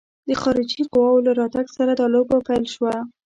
د خارجي قواوو له راتګ سره دا لوبه پیل شوه.